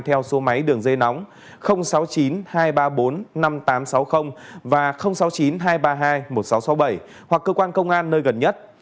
theo số máy đường dây nóng sáu mươi chín hai trăm ba mươi bốn năm nghìn tám trăm sáu mươi và sáu mươi chín hai trăm ba mươi hai một nghìn sáu trăm sáu mươi bảy hoặc cơ quan công an nơi gần nhất